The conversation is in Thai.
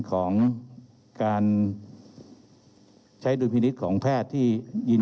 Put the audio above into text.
เรามีการปิดบันทึกจับกลุ่มเขาหรือหลังเกิดเหตุแล้วเนี่ย